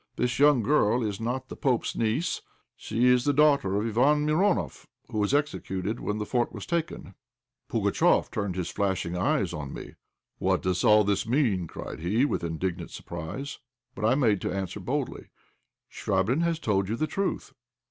This young girl is not the pope's niece; she is the daughter of Iván Mironoff, who was executed when the fort was taken." Pugatchéf turned his flashing eyes on me. "What does all this mean?" cried he, with indignant surprise. But I made answer boldly "Chvabrine has told you the truth."